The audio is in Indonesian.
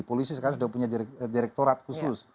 polisi sekarang sudah punya direktorat khusus